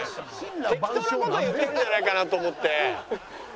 適当な事言ってるんじゃないかなと思って。